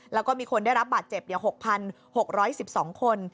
แล้วก็มีคนได้รับบาดเจ็บ๖๖๑๒คน